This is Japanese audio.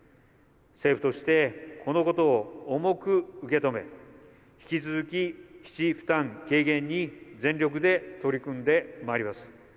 政府として、このことを重く受け止め、引き続き基地負担軽減に全力で取り組んでまいります。